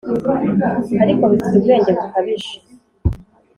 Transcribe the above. ariko bifite ubwenge bukabije: